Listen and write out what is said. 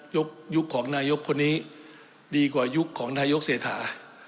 ยุคของนายกคนนี้ดีกว่ายุคของนายกเศรษฐา